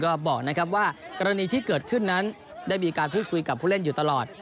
ก็บอกนะครับว่ากรณีที่เกิดขึ้นนั้นได้มีการพูดคุยกับผู้เล่นอยู่ตลอด